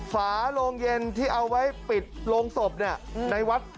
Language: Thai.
ฝาโรงเย็นที่เอาไว้ปิดโรงศพในวัด